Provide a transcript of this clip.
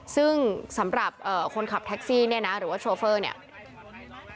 ซึ่งสำหรับคนขับแท็กซี่เนี่ยนะหรือว่าโชเฟอร์เนี่ย